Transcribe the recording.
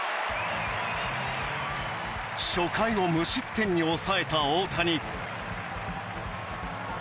初回を無失点に抑えた大谷。